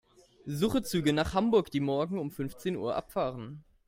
Suche Züge nach Hamburg, die morgen um fünfzehn Uhr abfahren.